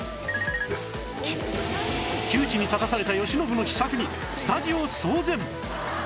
窮地に立たされた慶喜の秘策にスタジオ騒然！